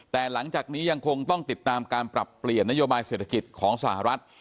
แต่หลังจากนี้ยังคงต้องติดตามการปรับเปลี่ยนนโยบายเศรษฐกิจของสหรัฐ